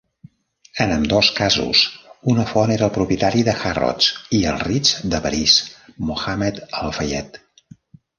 En ambdós casos, una font era el propietari de Harrods i el Ritz de París, Mohammed Al-Fayed.